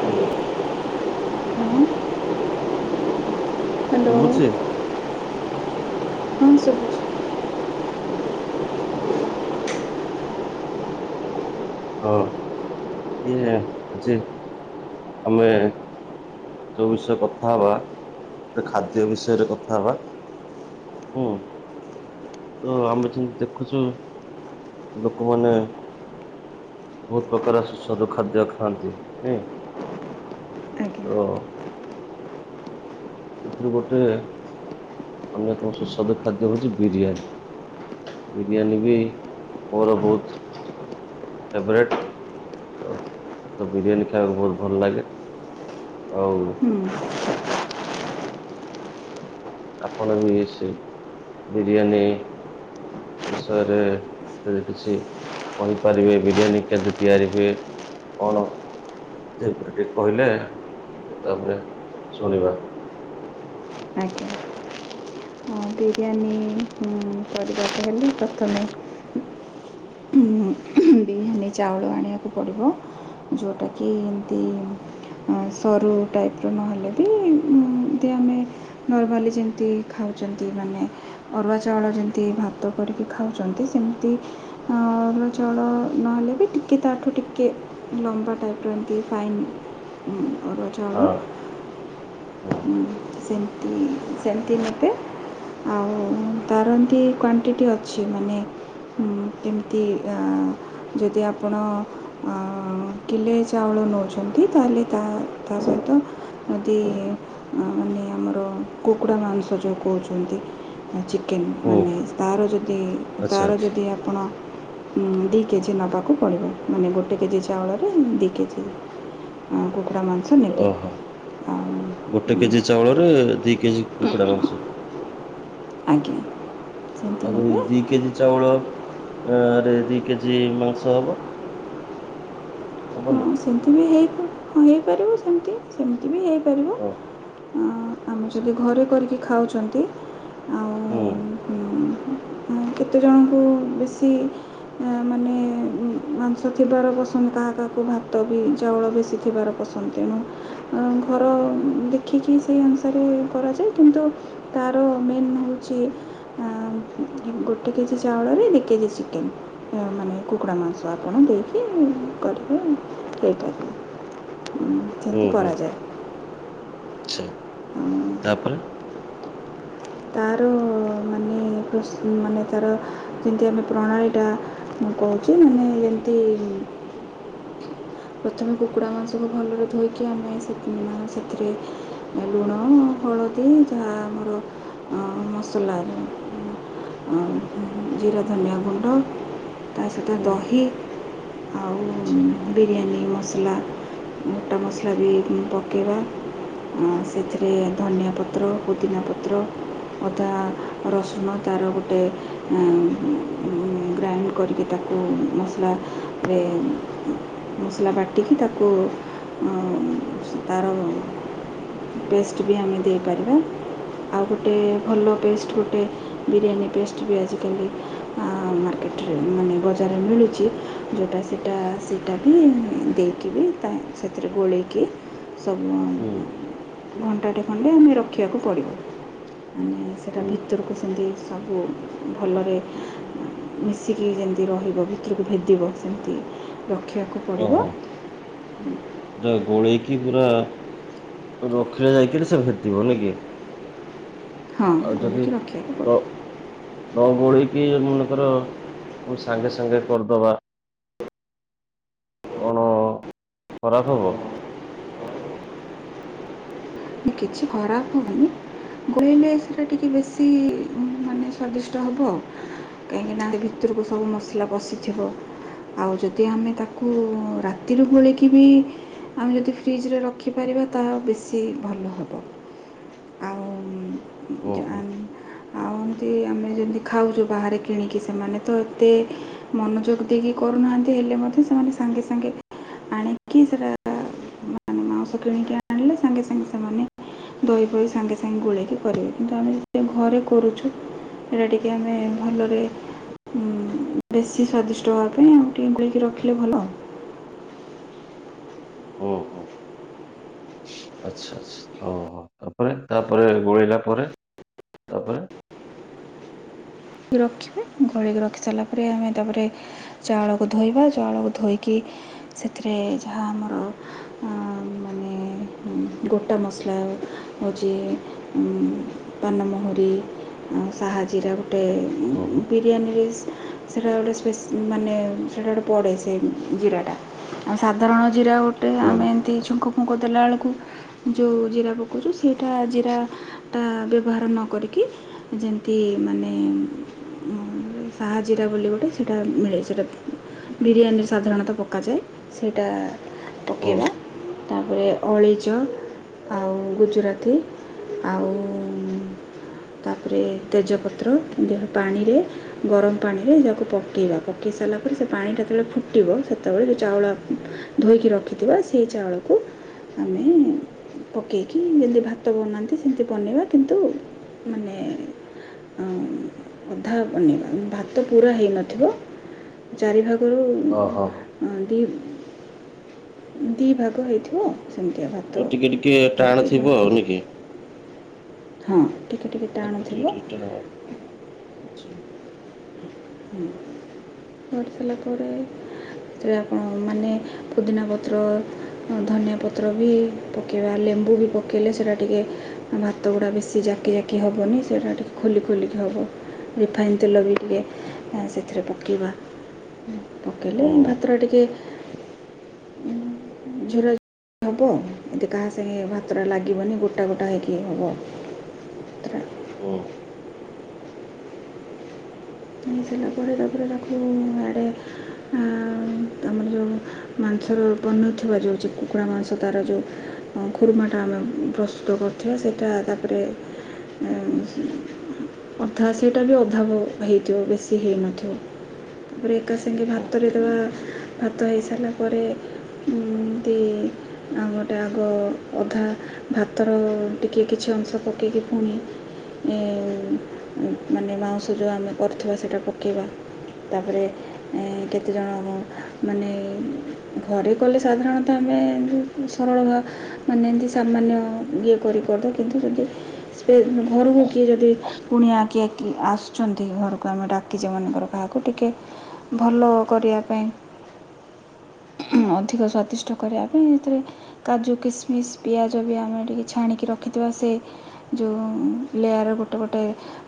Hello. Hello. [inaudible] Hello ଶୁଭୁଚି? ହଁ ଶୁଭୁଚି। ହଁ ଇଏ ଯେ ତମେ ଯୋଉ ବିଷୟରେ କଥା ହବା, ଖାଦ୍ୟ ବିଷୟରେ କଥା ହବା। ହୁ। ତ ଆମେ ଯେମିତି ଦେଖୁଚୁ ଲୋକମାନେ ବହୁତ ପ୍ରକାର ସୁସ୍ୱାଦୁ ଖାଦ୍ୟ ଖାଆନ୍ତି ନାଇଁ। ଆଜ୍ଞା। ତ ସେଥିରୁ ଗୋଟେ ଅନ୍ୟତମ ସୁସ୍ୱାଦୁ ଖାଦ୍ୟ ହଉଚି ବିରିୟାନୀ। ବିରିୟାନୀ ବି ମୋର ବହୁତ୍ ଫେଭରେଟ୍। ବିରିୟାନୀ ଖାଇବାକୁ ବହୁତ ଭଲ ଲାଗେ। ଆଉ ଆପଣ ବି ଏ ସେଇ ବିରିୟାନୀ ବିଷୟରେ ଯଦି କିଛି କହିପାରିବେ ବିରିୟାନୀ କେମିତି ତିଆରି ହୁଏ? କଣ ହୁଁ। [unintelligible] କହିଲେ [unintelligible] ଶୁଣିବା। ଆଜ୍ଞା। ହଁ ବିରିୟାନୀ କରିବାକୁ ହେଲେ ପ୍ରଥମେ ବି ବିରିଆନୀ ଚାଉଳ ଆଣିବାକୁ ପଡ଼ିବ। ଯୋଉଟାକି ଏମତି ସରୁ ଟାଇପ୍ ର ନହେଲେ ବି ଉଁ ଏମତି ଆମେ ନର୍ମାଲି ଯେମତି ଖାଉଛନ୍ତି ମାନେ ଅରୁଆ ଚାଉଳ ଯେମିତି ଭାତ କରିକି ଖାଉଛନ୍ତି, ସେମିତି ଅ-ଅରୁଆ ଚାଉଳ ନହେଲେ, ବି ଟିକେ ତାଠୁ ଟିକେ ଲମ୍ବା ଟାଇପ୍ର ଏମିତି ଫାଇନ୍ ଉଁ ଅରୁଆ ଚାଉଳ ହଁ ତଳ ହୁଁ, ସେମତି ସେମତି ନବେ। ଆଉ, ତାର ଏନ୍ତି କ୍ଵାଣ୍ଟିଟି ଅଛି। ମାନେ ହୁଁ, କେମିତି ଆଁ ଯଦି ଆପଣ-ଅ କିଲେ, ଚାଉଳ ନେଉଛନ୍ତି, ତାହେଲେ ତା ତା ସହିତ ମୋତେ ମାନେ ଆମର କୁକୁଡ଼ା ମାଂସ ଯଉ କହୁଛନ୍ତି। ଚିକେନ୍ ଓ ମାନେ ତାର ଯଦି, ଆଚ୍ଛା ତାର ଯଦି ଆପଣ ଦି କେଜି ନବାକୁ ପଡ଼ିବ। ମାନେ ଗୋଟେ କେଜି ଚାଉଳରେ ଦି କେଜି କୁକୁଡ଼ା ମାଂ ସ ନେବେ। ଓହୋ ଆଉ ଗୋଟେ କେଜି ଚାଉଳରେ, ଦି କେଜି କୁକୁଡ଼ା ମାଂସ। ଆଜ୍ଞା ସେମିତି ଆଉ ନେବେ ହଁ ଦି କେଜି ଚାଉଳ, ଆରେ ଦି କେଜି ଜି ମାଂସ ହବ, ହବନି? ସେମିତି ବି ହେଇପା, ହଁ ହେଇପାରିବ, ସେମିତି ସେମିତି ବି ହେଇ ପାରିବ। ଓହୋ ଆ-ଆମେ ଆଚ୍ଛା ଯଦି, ଘରେ କରିକି ଖାଉଛନ୍ତି। ଆଉ ହୁଁ। ଉଁ କେତେଜଣଙ୍କୁ ବେଶୀ ମାନେ-ଏ, ମାଂସ ଥିବାର ପସନ୍ଦ କାହା କା ତା କୁ ଭାତ ବି ଚାଉଳ ବେଶୀ ଥିବାର ପସନ୍ଦ। ତେଣୁ ଘର ଦେଖିକି, ସେଇ ଅନୁସାରେ କରାଯାଏ। କିନ୍ତୁ ତାର ମେନ୍ ହଉଚି ଅଁ ଗୋଟେ କେଜି ଚାଉଳରେ ଦି କେଜି ଚିକେନ୍। ଅଁ ମାନେ କୁକୁଡ଼ା ମାଂସ ଆପଣ ଦେଇକି କରି ଉଁ ସେଇଟାକୁ, ଉଁ ସେମତି କରାଯାଏ। ଛା ତାପରେ ତାର-ଅ ମାନେ ପ୍ରସ୍ ମାନେ ତାର ଯେମିତି, ଆମେ ପ୍ରଣାଳୀଟା ମୁଁ କହୁଛି ମାନେ, ଯେମିତି-ଇଁ ପ୍ରଥମେ କୁକୁଡ଼ା ମାଂସକୁ ଭଲରେ ଧୋଇକି ଆମେ ସେତ୍, ମାନେ ସେଥିରେ ଲୁଣ, ହଳଦୀ ତି ଯାହା ଆମର ଅଁ ମସଲା ଉଁ ଉ ଜିରା ଧନିଆ ଗୁଣ୍ଡ ତା ସହିତ ହୁଁ ଦହି ଆଉ ଉଁ ଆଚ୍ଛା ବିରିୟାନୀ ମସଲା, ମୋଟା ମସଲା ବି ଉଁ ପକେଇବା। ଅଁ, ସେଥିରେ ଧନିଆ ପତ୍ର, ପୁଦିନା ପତ୍ର ଅଦା ରସୁଣ ତାର ଗୋଟେ ଏଁ ଗ୍ରାଇଣ୍ଡ କରିକି ତାକୁ ମସଲାରେ ମସଲା ବାଟିକି ତାକୁ ଉଁ ତାର ପେଷ୍ଟ ବି ଆମେ ଦେଇପାରିବା। ଆଉ, ଗୋଟେ ଭଲ ପେଷ୍ଟ ଗୋଟେ ବିରିୟାନୀ ପେଷ୍ଟ ବି ଆଜିକାଲି ଆଁ ମାର୍କେଟରେ ମାନେ ବଜାରରେ ମିଳୁଛି ଜୋଉଟା ସେଟା ସେଟା ବି ଦେଇକି ବି, ତା ସେଥିରେ ଗୋଳେଇକି ସବୁଁ ହୁଁ। ଘଣ୍ଟାଟେ ଖଣ୍ଡେ ଆମେ ରଖିଆକୁ ପଡ଼ିବ। ମାନେ ସେଟା ହୁଁ ଭିତରୁକୁ ସେମିତି ସବୁ ଭଲରେ ମିଶିକି ଯେଁ ତି ରହିବ, ଭିତରୁକୁ ଭେଦିବ ସେମିତି ରଖିବାକୁ ପଡ଼ିବ। ଓହୋ ପୁରା ଗୋଳେଇକି ପୁରା ରଖିଲେ ଯାଇକିରି ସେ ଭେଦିବ ନାଇକି। ହଁ ଆଉ, ଯଦି ଗୋଳେଇକି ରଖିବାକୁ ନ ପଡ଼ିବ ନ ଗୋଲେଇକି ମନେକର ଓ ସାଙ୍ଗେ ସାଙ୍ଗେ କରିଦବା। କଣ ଖରାପ ହେବ? କିଛି ଖରାପ ହବନି ଗୋଳେଇଲେ ସେଟା ଟିକେ ବେଶୀ ମାନେ ସ୍ଵାଦିଷ୍ଟ ହବ। କାହିଁକି ନା ଭିତରୁକୁ ସବୁ ମସଲା ପଶିଥିବ। ଆଉ ଯଦି ଆମେ ତାକୁ ରାତିରୁ ଗୋଳେଇିକି ବି ଆମେ ଯଦି ଫ୍ରିଜରେ ରଖିପାରିବା ତାହା ବେଶୀ ଭଲ ହବ ଆଉ ଓହୋ ଆମ ଆଉ ଏମତି ଆମେ ଯେମିତି ଖାଉଛୁ ବାହାରେ କିଣିକି ସେମାନେ ତ ଏତେ ମନୋଯୋଗ ଦେଇକି କରୁନାହାନ୍ତି ହେଲେ ମଧ୍ୟ ସେମାନେ ସାଙ୍ଗେ ସାଙ୍ଗେ ଆଣିକି ସେଟା ମାନେ ମାଉସ କିଣିକି ଆଣିଲେ ସାଙ୍ଗେ ସାଙ୍ଗେ ସେମାନେ ଦହି ଫହି ସାଙ୍ଗେ ସାଙ୍ଗେ ଗୋଳେଇକି କରିବେ କିନ୍ତୁ ଆମେ ଯେ ଘରେ କରୁଛୁ ସେଇଟା ଟିକେ ଆମେ ଭଲରେ ବେଶୀ ସ୍ଵାଦିଷ୍ଟ ହେବା ପାଇଁ ଆଉ ଟିକେ ଗୁଳେଇକି ରଖିଲେ ଭଲ। ଓହୋ। ଆଚ୍ଛା ଆଛା ହଁ ହଁ ତାପରେ ତାପରେ ଗୋଳେଇଲା ପରେ ତାପରେ ରଖିବେ ଗୋଳେଇକି ରଖି ସାରିଲା ପରେ ଆମେ ତାପରେ ଚାଉଳକୁ ଧୋଇବା ଚାଉଳକୁ ଧୋଇକି ସେଥିରେ ଯାହା ଆମର ମାନେ ଗୋଟା ମସଲା ହଉଛି ପାନମୁହୁରି ଆଉ ସାହା ଜୀରା ଗୋଟେ ଓହୋ ବିରିୟାନୀ ରାଇସ ସେଇଟା ଗୋଟେ ସ୍ପେ ମାନେ ସେଇଟା ଗୋଟେ ପଡ଼େ ସେ ଜିରାଟା ଆଉ ସାଧାରଣ ଜିରା ଗୋଟେ ଗୋଟେ ଓହୋ ଆମେ ଏମିତି ଝୁଙ୍କ ଫୁଙ୍କ ଦେଲାବେଳକୁ ଯେଉଁ ଜିରା ପକାଉଛୁ ସେଇଟା ଜିରାଟା ବ୍ୟବହାର ନ କରିକି ଯେମିତି ମାନେ ହଁ ସାହାଜିରା ବୋଲି ଗୋଟେ ସେଇଟା ମିଳେ ସେଇଟା ବିରିୟାନୀ ସାଧାରଣତଃ ପକାଯାଏ ସେଇଟା ଓ ପକେଇବା ତାପରେ ଅଳେଇଚ ଆଉ ଗୁଜୁରାତି ଆଉ ତାପରେ ତେଜପତ୍ର ଦେହ ପାଣିରେ ଗରମ ପାଣିରେ ଯାହାକୁ ପକାଇବା ପକେଇ ସାରିଲା ପରେ ସେ ପାଣି ଯେତେବେଳେ ଫୁଟିବ ସେତେବେଳେ ଯେଉଁ ଚାଉଳ ଧୋଇକି ରଖିଥିବା ସେଇ ଚାଉଳକୁ ଆମେ ପକେଇକି ଯେମିତି ଭାତ ବନାନ୍ତି ସେମିତି ବନେଇବା କିନ୍ତୁ ମାନେ ଅଧା ବନେଇବା ଭାତ ପୁରା ହେଇନଥିବ ଚାରି ଭାଗରୁ ଓହୋ। ହଁ ଦି ଦି ଭାଗ ହେଇଥିବ ସେମତିଆ ଭାଗ ଟିକେ ଟିକେ ଟାଣ ଥିବ ନା କି। ହଁ ଟିକେ ଟିକେ ହାତ ଟିକେ ଟାଣଥିବ ଟିକେ ଟାଣ ଅଛି। [unintelligible] ସାରିଲା ପରେ ଅକ୍ଚୁଆଲି ଆପଣ ମାନେ ପୁଦିନା ପତ୍ର ଧନିଆ ପତ୍ର ବି ପକେଇବା ଲେମ୍ବୁ ବି ପକେଇଲେ ସେଇଟା ଟିକେ ଭାତ ଗୁଡ଼ା ବେଶୀ ଜାକି ଜାକି ହବନି ସେଇଟା ଟିକେ ଖୋଲି ଖୋଲିକି ହବ ରିଫାଇନ୍ ତେଲ ବି ଟିକେ ହଁ ସେଥିରେ ପକେଇବା ଓ ପକେଇଲେ ଭାତଟା ଟିକେ ଝୁଲ ହବ ଏମିତି କାହା ସାଙ୍ଗେ ଭାତଟା ଲାଗିବନି ଗୋଟା ଗୋଟା ହେଇକି ହବ। ହୁଁ। ଆଣି ସାରିଲା ପରେ ତାପରେ ତାକୁ ଆଡ଼େ ଆମର ଯୋଉଁ ମାଂସର ବନଉଥିବା ଯୋଉ ଚି କୁକୁଡ଼ା ମାଂସ ତାର ଯୋଉ ଉମ୍ ଖୁରୁମାଟା ଆମେ ପ୍ରସ୍ତୁତ କର ରିଥିବା ସେଇଟା ତାପରେ ଇଁ ଉମ୍ ଅଧା ବାଟରେ ସେଇଟା ବି ଅଧା ବି ହେଇଥିବ ବେଶୀ ହେଇନଥିବ। ତାପରେ ଏକା ସାଙ୍ଗେ ଓ ଭାତରେ ଦେବା ଭାତ ହେଇସାରିଲା ପରେ ଏମତି ଆ ଗୋଟେ ଆଗ ଅଧା ଭାତର ଟିକେ କିଛି ଅଂଶ ପକ ପକେଇକି ପୁଣି ଏ ମାନେ ମାଉଁସ ଯୋଉ ଆମେ କରୁଥିବା ସେଇଟା ପକେଇବ, ତାପରେ ଏଁ କେତେଜଣ ମାନେ ଘରେ କଲେ ସାଧାରଣତଃ ଆମେ ଯୋଉ ସରଳ ଭା ମାନେ ଏମତି ସାମାନ୍ୟ ଇଏ କରିପାରୁଥିବ କିନ୍ତୁ ଯଦି ସେ ଘରକୁ କିଏ ଯଦି କୁଣିଆ କିିଏ କି ଆସୁଛନ୍ତି ଟିକେ ଘରକୁ ଆମେ ଡାକିଚେ ମନେକର କାହାକୁ, ଟିକେ ଭଲ କରିବା ପାଇଁ ଉଁହୁଁ, ଅଧିକ ସ୍ୱାଦିଷ୍ଟ କରିବା ପାଇଁ ସେଥିରେ କାଜୁ, କିସମିସ, ପିଆଜ ବି ଆମେ ଟିକେ ଛାଣିକି ରଖିଥିବା ସେ ଯୋଉ ଲେୟାରର ଗୋଟେ ଗୋଟେ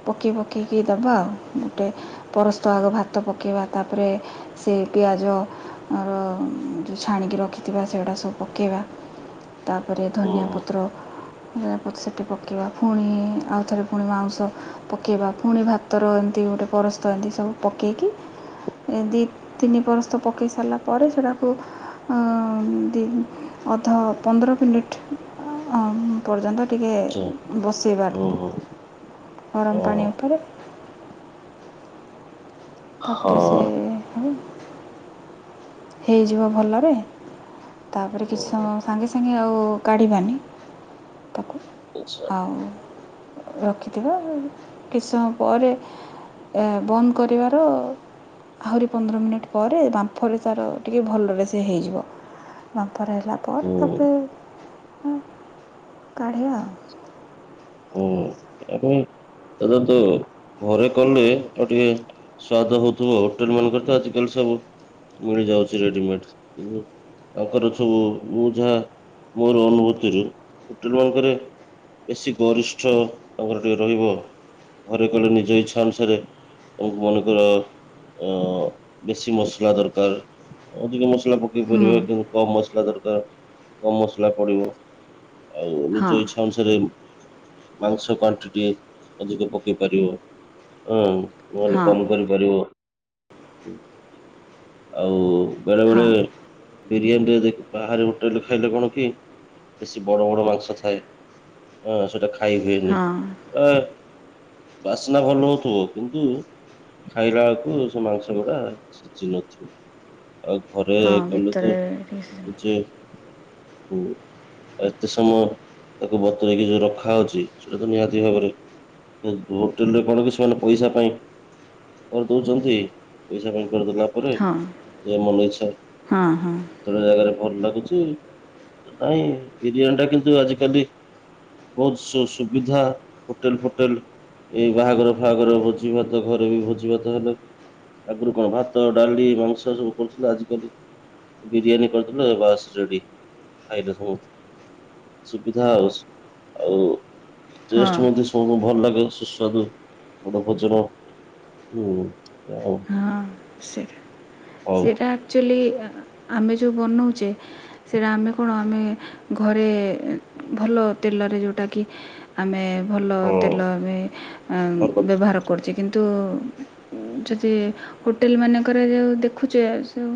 ପକେଇ ପକେଇକି ଦବା ଆଉ। ଗୋଟେ ପରସ୍ତ ଆଗ ଭାତ ପକେଇବା ତାପରେ ସେ ପିଆଜ ଆମର ଯୋଉ ଛାଣିକି ରଖିଥିବା ସେଗୁଡ଼ା ସବୁ ପକେଇବା ତାପରେ ଧନିଆ ଓହୋ ପତ୍ର ଯା ପଛେ ସେଠି ପକେଇବା, ଫୁଣି ଆଉଥରେ ପୁଣି ମାଉଁସ ପକେଇବା, ପୁଣି ଭାତ ତର ଏନ୍ତି ଗୋଟେ ପରସ୍ତ ଏନ୍ତି ସବୁ ପକେଇକି ଏ ଦି ତିନି ପରସ୍ତ ପକେଇ ସାରିଲା ପରେ ସେରାକୁ ଉମ୍ ଦି ଅଧ ପନ୍ଦର ମିନିଟ୍ ଆ ପର୍ଯ୍ୟନ୍ତ ଟିକେ ଆଚ୍ଛା ବସେଇବା, ଓହୋ ଓ ଗରମ ପାଣି ଉପରେ ହଁ ତାପରେ ସେ ହେଇ ହେଇଯିବ ଭଲରେ ତାପରେ କିଛି ଓହୋ ସମୟ ସାଙ୍ଗେ ସାଙ୍ଗେ ଆଉ କାଢ଼ିବାନି, ତାପରେ ଆଚ୍ଛା। ଆଉ ରଖିଥିବା, କିଛି ସମୟ ପରେ ଏ ବନ୍ଦ କରିବାର ଆହୁରି ପନ୍ଦର ମିନିଟ୍ ପରେ, ବାମ୍ଫରେ ତାର ଟିକେ ଭଲରେ ସେ ହେଇଯିବ। ବାମ୍ଫର ହେଲା ହୁଁ ପରେ ତାପରେ ଉଁ କାଢ଼ିଆ ଆଉ। ଓ ଏ ପାଇଁ ଦଦା ତ ଘରେ କଲେ ଆଉ ଟିକେ ସ୍ଵାଦ ହଉଥିବ, ହୋଟେଲମାନଙ୍କରେ ତ ଆଜିିକାଲି ସବୁ ମିଳିଯାଉଛି ରେଡିମେଡ୍ସ। ତାଙ୍କର ସବୁ ମୁଁ ଯାହା ମୋର ଅନୁଭୂତିରୁ ହୋଟଲମାନଙ୍କରେ ବେଶୀ ଗରିଷ୍ଠ ତାଙ୍କର ଟିକେ ରହିବ ଆଉ। ଘରେ କଲେ ନିଜ ଇଚ୍ଛା ଅନୁସାରେ କୁକ୍ ମାନଙ୍କର ଅ ବେଶୀ ମସଲା ଦରକାର ଅଧିକ ମସଲା ହୁଁ ପକେଇପାରିବେ କିନ୍ତୁ କମ ମସଲା ଦରକାର, କମ ମସଲା ପଡିବ। ଆଉ ହଁ ନିଜ ଇଚ୍ଛା ଅନୁସାରେ ମାଂସ କ୍ଵାଣ୍ଟିଟି ଅଧିକ ପକେଇ ପାରିବ, ହୁଁ, ନହେଲେ ହଁ କମ କରି ପାରିବ। ଆଉ ବେଳେ ହଁ ବେଳେ ବିରିୟାନୀରେ ଦେଖ ବାହାରେ ହୋଟେଲରେ ଖାଇଲେ କଣ କି, ବେଶୀ ବଡ ବଡ ମାଂସ ଥାଏ ହଁ ସେଇଟା ଖାଇ ହୁଏନି। ହଁ ଏ ବାସ୍ନା ଭଲ ହଉଥିବ କିନ୍ତୁ ଖାଇଲାବେଳକୁ ସେ ମାଂସ ଗୁଡା ସିଜି ନଥିବ। ଆଉ ଘରେ ହଁ କଲେ ତ ଭିତରେ ନିଜେ ହୁଁ, ଆଉ ଏତେ ସମୟ ତାକୁ ବତ୍ ତୁରେଇକି ଯୋଉ ରଖାହଉଛି, ସେଟା ତ ନିହାତି ଭାବରେ ଯଦି ହୋଟେଲରେ କଣ କି ସେମାନେ ପଇସା ପାଇଁ କରିଦଉଚନ୍ତି, ପଇସା ପାଇଁ କରିଦେଲା ପରେ ହଁ ଯେ ମନଇଚ୍ଛା ହଁ ହଁ କେତେ ଗୁଡ଼ାଏ ଜାଗାରେ ଭଲ ଲାଗୁଛି, ନାଇଁ ବିରିୟାନୀଟା କିନ୍ତୁ ଆଜିିକାଲି ବହୁତ ସୁ-ସୁବିଧା ହୋଟେଲ ଫୋଟେଲ ଏଇ ବାହାଘର ଫହାଘର ଭୋଜି ଭାତ ଘରେ ବି ଭୋଜି ଭାତ ହେଲେ ଆଗରୁ କଣ ଭାତ ଡାଲି ମାଂସ ସବୁ କରୁଥିଲା ଆଜିକାଲି ବିରିୟାନୀ କରଦେଲେ ବାସ ରେଡି ଖାଇଲେ ସବୁ। ସୁବିଧା ଆଉ, ଆଉ ହଁ ଟେଷ୍ଟ ମଧ୍ୟ ସ ସୁ ଭଲ ଲାଗେ ସୁସ୍ୱାଦୁ ଭଲ ଭୋଜନ ହୁଁ ଆଉ। ହଁ ସେଇଟା, ହଉ ସେଇଟା ଆକ୍ଚୁଆଲି ଆମେ ଯେଉଁ ବନାଉଛେ ସେଇଟା ଆମେ କଣ ଆମେ ଘରେ ଭଲ ତେଲରେ ଯୋଉଟା କି ଆମେ ଭଲ ତେଲ ହଁ ଏବେ ଭଲ ବ୍ୟବହାର କରୁଛେ କିନ୍ତୁ ଯଦି ହୋଟେଲ ମାନଙ୍କରେ ଯେଉଁ ଦେଖୁଛେ ସବୁ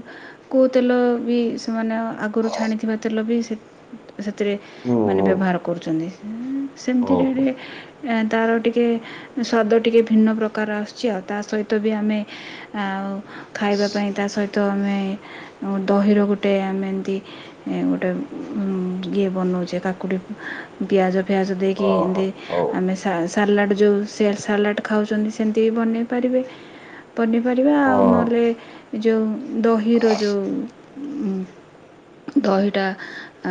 କୋଉ ତେଲ ବି ସେମାନେ ଆଗରୁ ଛାଣିଥିବା ତେଲ ବି ସେ ସେଥିରେ ହୁଁ ମାନେ ହୁଁ ବ୍ୟବହାର କରୁଛନ୍ତି। ସେମତି ହଉ ଯେମିତି ତାର ଟିକେ ସ୍ଵାଦ ଟିକେ ଭିନ୍ନ ପ୍ରକାର ଆସୁଛି ଆଉ, ତା ସହି ତ ବି ଆମେ ଆଉ ଖାଇବା ପାଇଁ ତା ସହିତ ଆମେ ଦହିର ଗୋଟେ ଆମେ ଏମିତି ଏ ଗୋଟେ ଉ ଇଏ ବନଉଚେ କାକୁଡ଼ି ପିଆଜ ଫିଆଜ ଦେଇକି ହଉ ଏମିତି ହଁ ଆମେ ସା ସାଲାଡ଼ ଯେଉଁ ସେ ସାଲାଡ଼ ଖାଉଛନ୍ତି ସେମିତି ବି ବନେଇ ପାରିବେ। ପନିପାରିବା ହଁ ଆଉ ହଉ ନହେଲେ ଯେଉଁ ଦହିର ଯେଉଁ ଉ ଦହିଟା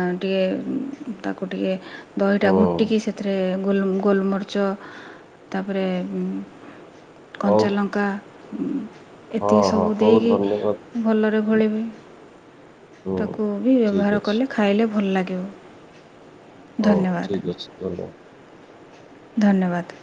ଅ ଟିକେ ତାକୁ ଟିକେ ଦହିଟା ହଁ ହୁଁ ଘୋଟିକି ସେଥିରେ ଗୋଲ-ଗୋଲମରିଚ ତାପରେ ହଉ କଞ୍ଚାଲଙ୍କା ହଁ ଏତିକି ହଁ ସବୁ ହଉ ଦେଇକି ଧନ୍ୟବାଦ ଭଲରେ ଗୋଳେଇବେ। ହୁଁ ତାକୁ ବି ବ୍ୟବହାର ଠିକ ଅଛି କଲେ ଖାଇଲେ ଭଲ ଲାଗିବ। ଓ ଧନ୍ୟବାଦ ଠିକ୍ ଅଛି ଧନ୍ୟବାଦ। ଧନ୍ୟବାଦ।